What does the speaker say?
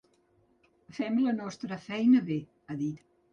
Fem la nostra feina bé, ha dit.